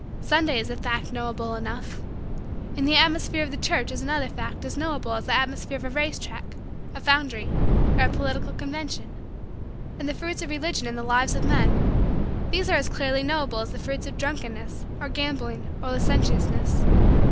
Sunday is a fact knowable enough. And the atmosphere of the church is another fact as knowable as the atmosphere of a race track, a foundry, or a political convention. And the fruits of Religion in the lives of men these are as clearly knowable as the fruits of drunkenness, or gambling, or licentiousness.